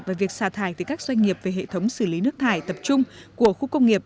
về việc xả thải từ các doanh nghiệp về hệ thống xử lý nước thải tập trung của khu công nghiệp